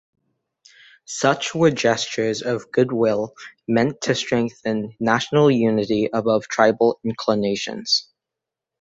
Such were gestures of goodwill meant to strengthen national unity above tribal inclinations.